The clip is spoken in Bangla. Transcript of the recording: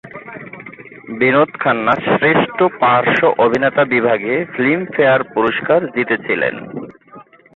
বিনোদ খান্না শ্রেষ্ঠ পার্শ্ব অভিনেতা বিভাগে ফিল্মফেয়ার পুরস্কার জিতেছিলেন।